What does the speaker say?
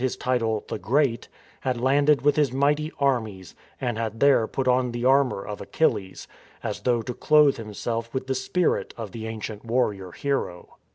181 his title " the Great," had landed with his mighty armies and had there put on the armour of Achilles as though to clothe himself with the spirit of the ancient warrior hero.